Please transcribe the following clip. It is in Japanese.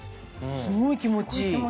すごい気持ちいい！